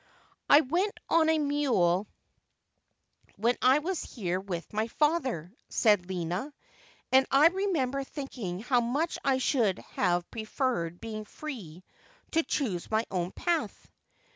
' I went on a mule when I was here with my father,' said Lina, ' and I remember thinking how much I should have pre ferred being free to choose my own path.'